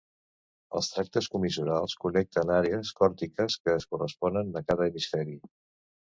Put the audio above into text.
Els tractes comissurals connecten àrees corticals que es corresponen a cada hemisferi.